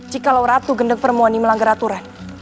jika ratu geneng permoni melanggar aturan